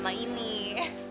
tua klualan mal eksplorasi